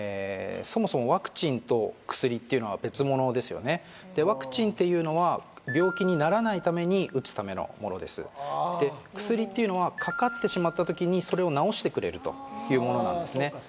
そもそもワクチンと薬っていうのは別物ですよねでワクチンっていうのは病気にならないために打つためのものですで薬っていうのはかかってしまった時にそれを治してくれるというものなんですね